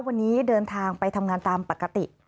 วันนี้เดินทางไปทำงานตามปกติ